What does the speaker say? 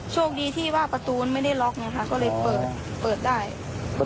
โดดลงรถหรือยังไงครับ